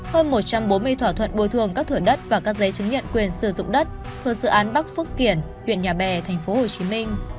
hơn một trăm bốn mươi thỏa thuận bồi thường các thửa đất và các giấy chứng nhận quyền sử dụng đất thuộc dự án bắc phước kiển huyện nhà bè tp hcm